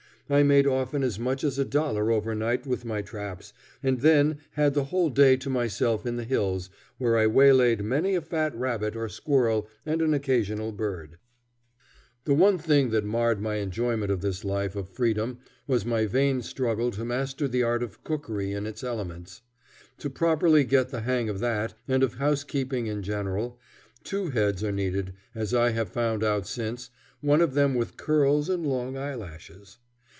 I made often as much as a dollar overnight with my traps, and then had the whole day to myself in the hills, where I waylaid many a fat rabbit or squirrel and an occasional bird. [Illustration: "There I set my traps"] The one thing that marred my enjoyment of this life of freedom was my vain struggle to master the art of cookery in its elements. To properly get the hang of that, and of housekeeping in general, two heads are needed, as I have found out since one of them with curls and long eyelashes.